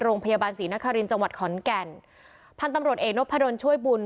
โรงพยาบาลศรีนครินทร์จังหวัดขอนแก่นพันธุ์ตำรวจเอกนพดลช่วยบุญ